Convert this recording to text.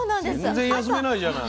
全然休めないじゃない。